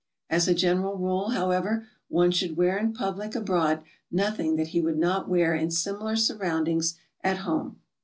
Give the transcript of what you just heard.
As a general rule, however, one should wear in public abroad nothing that he would not wear in similar surroundings at home.